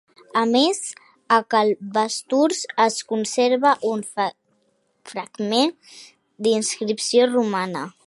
A més, a Cal Basturs es conserva un fragment d'inscripció romana.